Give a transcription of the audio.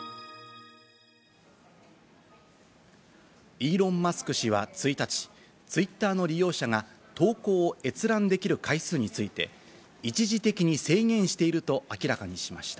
イーロン・マスク氏は１日、Ｔｗｉｔｔｅｒの利用者が投稿を閲覧できる回数について一時的に制限していると明らかにしました。